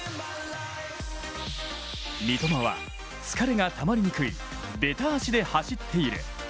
三笘は疲れがたまりにくいべた足で走っている。